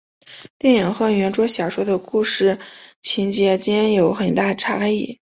电影和原着小说的故事情节间有很大差异。